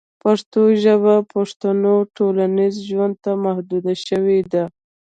پښتو ژبه د پښتنو ټولنیز ژوند ته محدوده شوې ده.